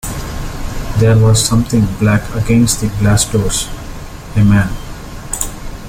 There was something black against the glass doors — a man.